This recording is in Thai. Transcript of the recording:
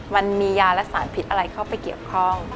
มันมียาและสารพิษอะไรเข้าไปเกี่ยวข้อง